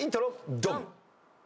ドン！